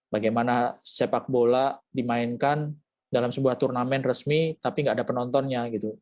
bagaimana sepak bola dimainkan dalam sebuah turnamen resmi tapi nggak ada penontonnya gitu